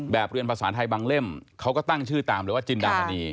เรียนภาษาไทยบางเล่มเขาก็ตั้งชื่อตามเลยว่าจินดามณี